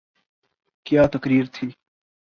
کیا تقریر تھی۔